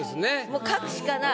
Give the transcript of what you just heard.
もう書くしかない。